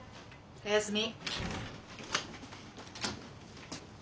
おやすみ。